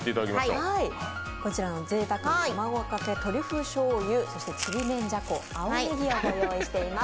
こちらの贅沢な卵かけトリュフしょうゆ、そしてちりめんじゃこ青ねぎをご用意しています。